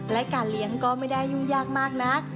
และการเลี้ยงก็ไม่ได้ยุ่งยากมากนัก